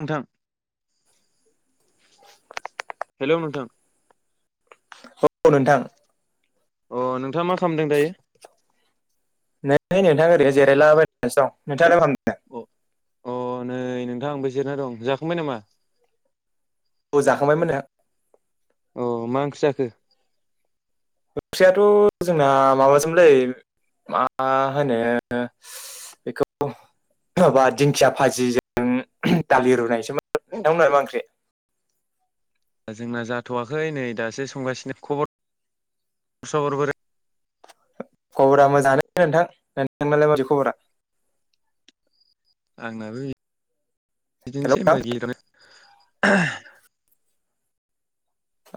नोंथां हेल' नोंथां औ नोंथां अ नोंथाङा मा खालामदों दायो नै नोंथा ओरै जिरायलाबायनानैसो दं नोंथाङालाय माखालामदो। अ अ नै नोंथां आंबो जिरना दं जाखांबाय नामा। औ जाखांबायमोन ओ। अ मा ओंख्रि जाखो ओख्रियाथ' जोंना माबाजोमोनलै। मा होनो बेखौ। माबा दिंखिया भाजिजों दालि रुनायसोमोन नोंथांमोननालाय मा ओंख्रि। दा जोंना जाथ'वाखै नै दासो संगासिनो खबर सबरबोरै। खबरा मोजाङानो नोंथां नोंथांनालाय मारै खबरा। आंनाबो हेल' बिदिनोसै नोंथां मज।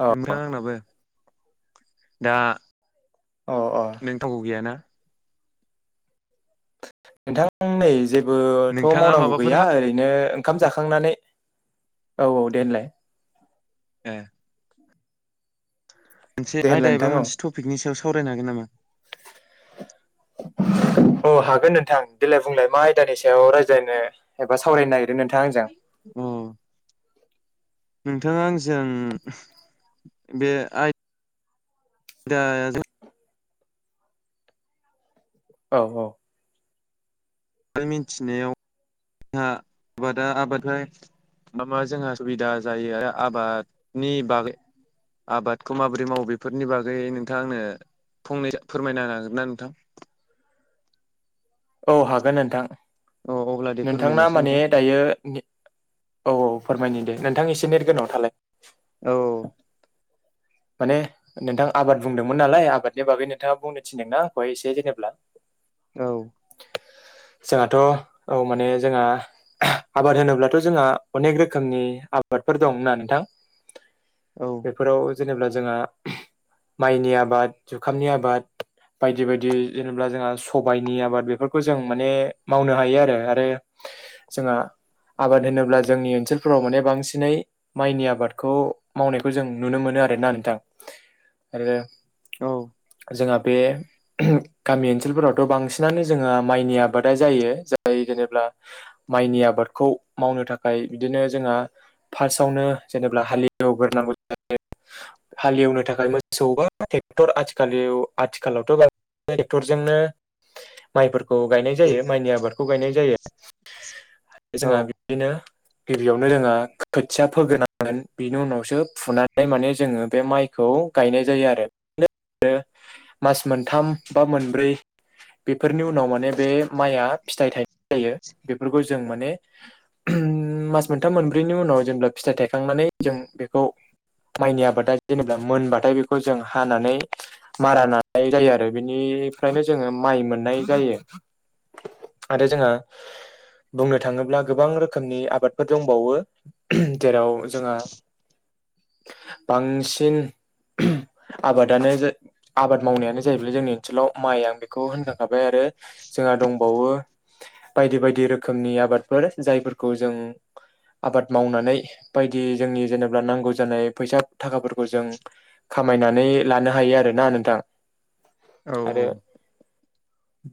अ नोंथां आंनाबो दा। अ अ नोंथावगौ गैयाना। नोंथां नै जेबोथ' नोंथाङा मावनांगौ माबाफोर गैया हा ओरैनो। ओंखाम जाखांनानै औ औ दे होनलाय ओ मोनसे दे होनलाय आयदा नोंथां एबा औ मोनसे टपिकनि सायाव सावरायनो हागोन नामा? औ हागोन नोंथां देेलाय बुंलाय मा आयदानि सायाव रायज्लायनो एबा सावरायनो नागिर नोंथाङा आंजों [inaudible] अ नोंथाङा आंजों बे आइ [unintelligible] औ औ जों मिथिनायाव जोंहा आबादा आबादै मा मा जोंहा सुबिदा जायो आरो आबादनि बागै आबादखौ माबोरै मावो बेफोरनि बागै नोंथाङा आंनो फंनै फोरमायनो हागोन ना नोंथां? औ हागोन नोंथां। औ अब्ला दे नोंथांना फोरमायनायसै माने नोंथां। दायो ने औ औ फोरमायनो दे नोंथां एसे नेट गोङाव थालाय औ माने नोंथां आबाद बुंदोंमोन नालाय आबादनि बागै नोंथाङा बुंनो थिनदोंना आंखौ एसे जेनेब्ला औ [inaudible] जोंहाथ' औ माने जोंहा आबाद होनोब्लाथ' जोंहा अनेक रोखोमनि आबाद बे फोर दंना नोंथां औ बेफोराव जेनेब्ला जोंहा माइनि आबाद जुखामनि आबाद बायदि बायदि जेनेबा जोंहा सबायइनि आबाद बे बेफोरखौ जों माने मावनो हायो आरो आरो जोंहा आबाद होनोब्ला जोंनि ओनसोलफोराव माने बांसिनै माइनि आबादखौ मावनायखौ जों नुनो मोनो आरोना नोंथां आरो औ जोंहा बे उह गामि ओनसोलफोरावथ' बांसिनानो जोङा माइनि आबादा जायो जाय जेनेब्ला माइनि आबादखौ मावनो थाखाय बिदिनो बिदिनो जोंहा फार्स्टआवनो जेनेबा हालेव ग्रोनांगो जायो [inaudible] हालेवनो थाखाय मोसौबा ट्रेक्टर आथिखलाव आथिखालावथ' बाव ट्रेक्टरजोंनो माइफोरखौ गायनाय जायो माइनि आबादखौ गायनाय जायो औ जोंहा बिदिनो गिबियावनो जोंहा खोथिया फोग्रोनांगोन बेनि उनावसो फुनानै माने जोङो बे माइखौ गायनाय जायो आरो मास मोनथाम बा मोनब्रै फोरनि उनाव माने बे माइआ फिथाइ थाइनाय जायो बेफोरखौ जों माने उ मास मोनथाम मोनब्रैनि उनाव औ जेनबा फिथाय थायखांनानै जों बेखौ मायनि आबाद जेनबा मोनबाथाय बेखौ जों हानानै मारा नानाय जायो आरो बेनि बेनिफ्रायनो जोङो माइ मोन नाय जायो आरो जोंङो बुंनो थाङोब्ला गोबां रोखोमनि आबादफोर दंबावो जेराव जोंहा बांसिन आबादानो जा आबाद मावनायानो जाहैबाय जोंनि ओनसोलाव माइ आं बेखौ होनदों हाबाय आरो जोंहा दंबावो बायदि बायदि रोखोमनि आबादफोर जायफोरखौ जों आबाद मावनानै बायदि जोंनि जेनेबा नांगौ जानाय फैसा थाखाफोरखौ जों खामायनानै लानो हायो आरोना नोंथां औ आरो औ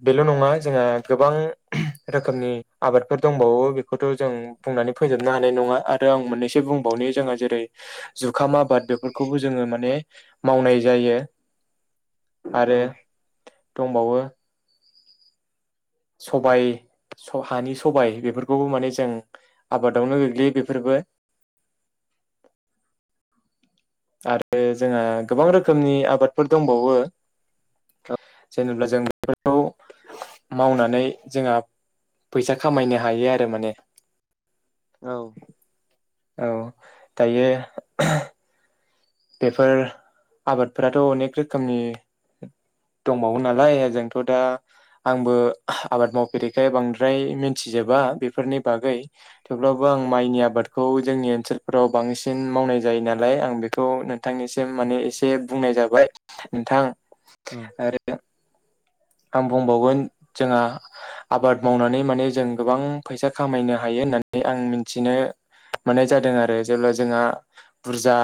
बेल' नङा जोंहा गोबां रोखोमनि आबादफोर दंबावो बेखौथ' जों बुंनानै फोजोबनो हानाय नङा आरो आं मोननैसो बुं बेनो जोंहा जेरै जुखाम आबाद बेफोरखौबो जोङो माने मावनाय जायो [inaudible] आरो दंबावो सबाइ हानि सबाय बेफोरखौबो माने जों आबादावनो गोग्लैयो बेफोरबो [inaudible] आरो जोंहा गोबां रोखोमनि आबादफोर दंबावो जेनेबा जों बेफोरखौ मावनानै जोंहा फैसा खामायनो हायो आरो माने औ औ दायो बेफोर आबादफोराथ' अनेक रोखोमनि दंबावो नालाय ओजोंथ' दा आंबो आबाद मावफेरैखाय बांद्राय मिथिजोब बेफोरनि बागै थेवब्लाबो आं माइनि आबादखौ जोंनि ओनसोलफोराव बांसिन मावनाय जायो नालाय आं बेखौ नोंथांनिसिम माने एसे बुंनाय जाबाय नोंथां औ आरो आं बुंबावगोन जोंहा आबाद मावनानै माने जों गोबां फैसा खामायनो हायो होननानै आं मिथिनो मोननाय जादों आरो जेब्ला जोंहा बुरजा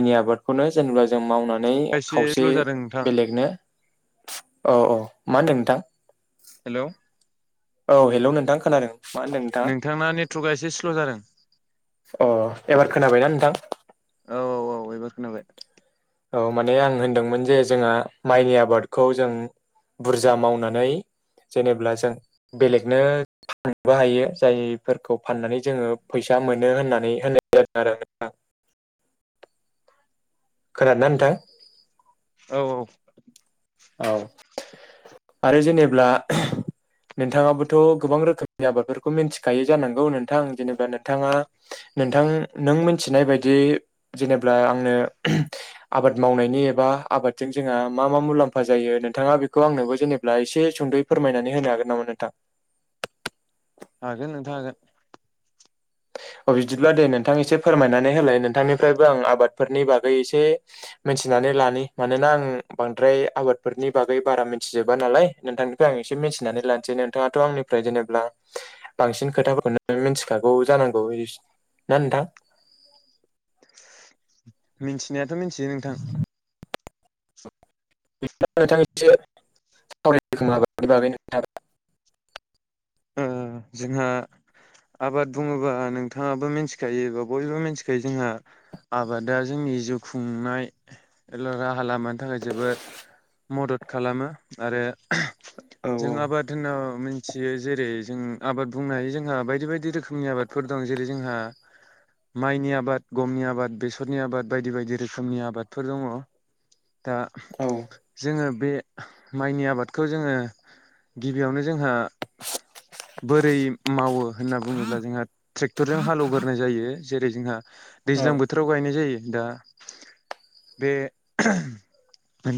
[inaudible] जों मावनानै एसे खावसे स्ल' जादों नोंथां बेलेगनो औ औ मा होन्दों नोंथां हेल' औ हेल' नोंथां खोनादों मा होनदों नोंथाङा नोंथांना नेटवर्कआ एसे स्ल' जादों अ एबार खोनाबायना नोंथां औ औ औ एबार खोनाबाय औ माने आं होनदोंमोन जे जोंहा माइनि आबादखौ जों बुरजा मावनानै जेनेबा जों बेलेगनो फानबो हायो जायफोरखौ फाननानै जोङो फैसा मोनो होननानै होननाय जादों आरो खोनादोंना नोंथां औ औ औ आरो जेनेब्ला नोंथाङाबोथ' गोबां रोखोमनि आबादफोरखौ मिथिखायो जानांगौ नोंथां जेनेबा नोंथाङा नोंथां नों मिथिनाय बायदि जेनेबा आंनो आबाद मावनायनि एबा आबाद जों जोहा मा मा मुलामफ मफा जायो नोंथाङा बेखौ आंनोबो जेनेबा एसे सुंद' फोरमायनानै होनो हागोन नामा नोंथां हागोन नोंथां हागोन [inaudible] अ बिदिब्ला दे नोंथां एसे फोरमायनानै होलाय नोंथांनिफ्रायबो आं आबादफोरनि बागै एसे मिथिनानै लानि मानोना आं बांद्राय आबादफोरनि बागै बारा मिथिजोबा नालाय नोंथांनिफ्राय आं थिनानै लानोसै नोंथाङाथ' आंनिफ्राय जेनेबा बांसिन खोथाफोरखौनो मिथिखागोन औ जानांगौ बिदि ना नोंथां मिथिनायाथ' मिथियो नोंथां नोंथां एसे स बै जोंहा आबाद बुङोबा नोंथाङाबो मिथिखायो बा बयबो मिथिखायो जोंहा आबादा जोंनि जिउ खुंनाय राहा लामानि थाखाय जोबोद मदद खालामो आरो औ जों औ आबाद होनाव मिथियो जेरै जों आबाद बुंनाय ह जोंहा बायदि बायदि रोखोमनि आबादफोर दं जेरै जोंहा माइनि आबाद गमनि आबाद बेसरनि आबाद बायदि बायदि रोखोमनि आबादफोर दङ दा औ जोङो बे माइनि आबादखौ जोङो गिबियावनो जोंहा बोरै मावो होनना बुङोब्ला जोंहा ट्रेक्टरजों हालेवग्रोननाय जायो जेरै जोंहा औ दैज्लां बोथोराव गायनाय जायो दा बे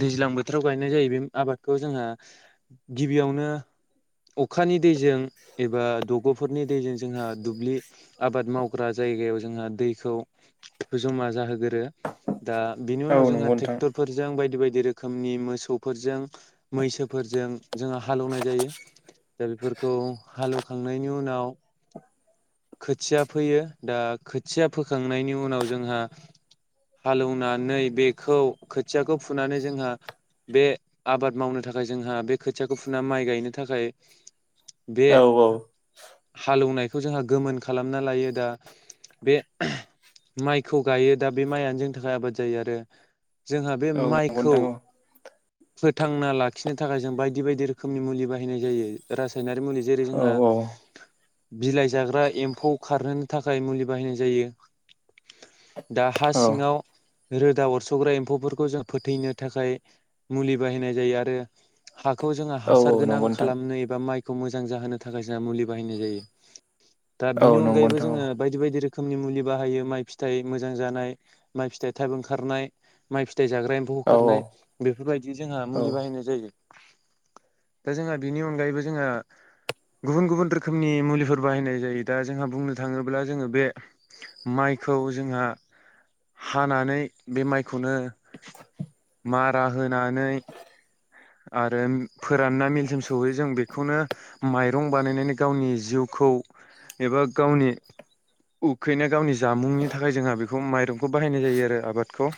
दैज्लां बोथोराव गायनाय जायो बे आबादखौ जोंहा गिबियावनो अखानि दैजों एबा दग'फोरनि दैजों जोंहा दुब्लि आबाद मावग्रा जायगायाव ज जोंहा दैखौ जमा जाहोगोरो दा बिनि औ उनाव जोंहा नंगौ नोंथां ट्रेक्टरफोरजों बायदि बायदि बायदि रोखोमनि मोसौफोरजों मैसोफोरजों जोङो हालौवनाय जायो दा बेफोरखौ हालेवखांनायनि उनाव खोथिया फोयो दा खोथिया फोखांनायनि उनाव जोंहा हालौवनानै बेखौ खोथियाखौ फुनानै जोंहा बे आबाद मावनो थाखाय जोंहा बे खोथियाखौ फुना माइ गायनो थाखाय औ औ हालेवनायखौ जोंहा गोमोन खालामना लायो दा बे माइखौ गायो दा बे माइयनो जोंनि थाखाय आबाद जायो आरो जोंहा बे औ नंगौ माइखौ नोंथां औ फोथांना लाखिनो थाखाय जों बायदि बायदि रोखोमनि मुलि बाहायनाय जायो रासायनारि मुलि जेरै जोंहा औ बिलाइ जाग्रा एम्फौ खारहोनो थाखाय मुलि बाहायनाय जायो दा हा औ सिङाव रोदा अरस'ग्रा एम्फौफोरखौ जों फोथैनो थाखाय मुलि बाहायनाय जायो आरो हा खौ जोंहा औ औ हासार गोनां नंगौ नोंथां खालामनो एबा माइखौ मोजां जाहोनो थाखाय जोंहा मुलि बाहायनाय जायो दा औ बिनि नंगौ अनगायैबो नोंथां जोङो बायदि बायदि रोखोमनि मुलि बाहायो माइ फिथाइ मोजां जानाय माइ फिथाइ थाब ओंखारनाय माइ फिथाइ फिथाइ जाग्रा एम्फौ औ होखारनाय बेफोरबायदि बि जोंहा औ मुलि बाहायनाय जायो दा जोंहा बिनि अनगायैबो जोंहा गुबुन गुबुन रोखोमनि मुलिफोर बाहायनाय जायो दा जोंहा बुंनो थाङोब्ला जोङो बे माइ जोंहा हानानै बे माइखौनो मारा होनानै आरो फोरानना मिलसिम सहैयो जों बे बेखौनो माइरं बानायनानै गावनि जिउखौ एबा गावनि उखैनाया गावनि जामुंनि थाखाय जोंहा बेखौ माइरंखौ बाहायनाय जायो आरो आबादखौ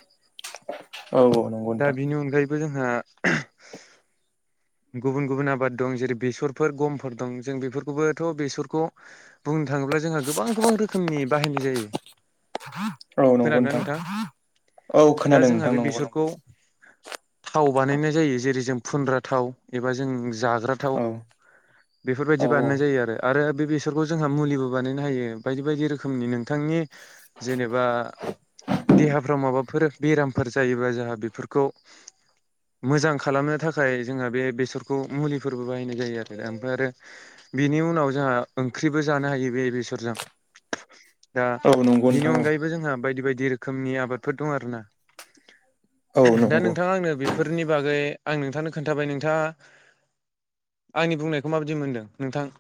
औ औ नंगौ नोंथां बेनि अनगायैबो जोंहा गुबुन गुबुन आबाद दं जेरै बेसरफोर गमफोर दं जों बेफोरखौबोथ' बेसरखौ बुंनो थाङोब्ला जोंहा गोबां गोबां रोखोमनि बाहायनाय जायो औ नंगौ खोनादोंना नोंथां औ दा खोनादों जोंहा नोंथां बे नंगौ बेसरखौ नंगौ थाव बानायनाय जायो जेरै जों फुनग्रा थाव एबा जों जाग्रा थाव। औ औ बेफोरबायदि बानायनाय जायो आरो आरो बे बेसरखौ जोंहा मुलिबो बानायनो हायो बायदि-बायदि रोखोमनि नोंथांनि जेनेबा देहाफ्राव माबाफोर बेरामफोर जायोबा जोंहा बेफोरखौ मोजां खालामनो थाखाय जोंहा बे बेसरखौ मुलिफोरबो बानायनाय जायो आरो ओमफ्राय आरो बिनि उनाव जोंहा ओंख्रिबो जानो हायो बे बेसरजों। [inaudible] दा औ नंगौ बिनि नोंथां अनगायैबो जोंहा बायदि-बायदि रोखोमनि आबादफोर दं आरो ना। औ दा नंगौ नोंथाङा आंनो बेफोरनि बागै आं नोंथांनो खोन्थाबाय नोंथाङा आंनि बुंनायखौ माबायदि मोनदों नोंथां? [inaudible]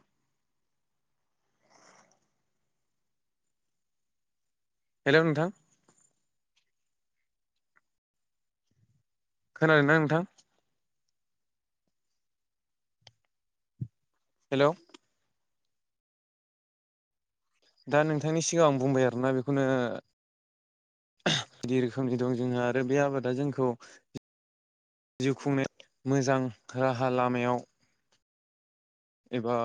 हेलौ नोंथां। खोनादों ना नोंथां? हेलौ दा नोंथांनि सिगाङाव आं बुंबाय आरोना बेखौनो। [unintelligible] दि रोखोमनि दं जोंहा आरो बे आबादा जोंखौ जिउ खुंनाय मोजां राहा लामायाव एबा